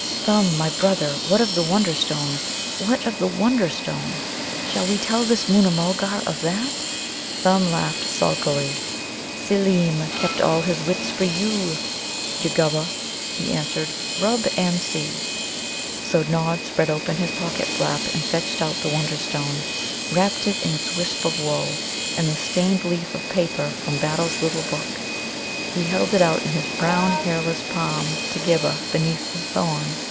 "Thumb, my brother, what of the Wonderstone? what of the Wonderstone? Shall we tell this Moona mulgar of that?" Thumb laughed sulkily. "Seelem kept all his wits for you, Jugguba," he answered; "rub and see!" So Nod spread open his pocket flap and fetched out the Wonderstone, wrapped in its wisp of wool and the stained leaf of paper from Battle's little book. He held it out in his brown, hairless palm to Ghibba beneath the thorn.